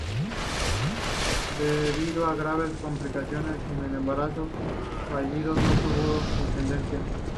Debido a graves complicaciones en embarazos fallidos no tuvo descendencia.